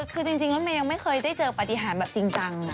คือจริงแล้วเมย์ยังไม่เคยได้เจอปฏิหารแบบจริงจังนะ